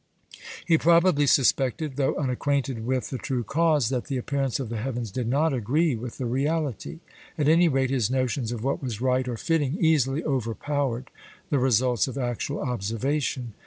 He probably suspected, though unacquainted with the true cause, that the appearance of the heavens did not agree with the reality: at any rate, his notions of what was right or fitting easily overpowered the results of actual observation.